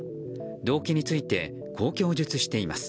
動機についてこう供述しています。